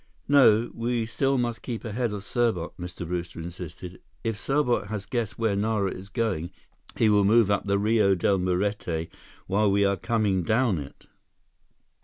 "No, we still must keep ahead of Serbot," Mr. Brewster insisted. "If Serbot has guessed where Nara is going, he will move up the Rio Del Muerte while we are coming down it."